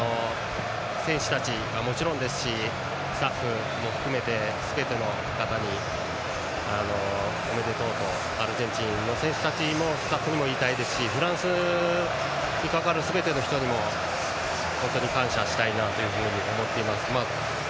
選手たちはもちろんスタッフも含めてすべての方におめでとうとアルゼンチンの選手たちにもスタッフにも言いたいですしフランスに関わるすべての人にも本当に感謝したいなと思っています。